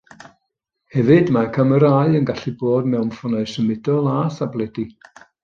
Hefyd mae camerâu yn gallu bod mewn ffonau symudol a thabledi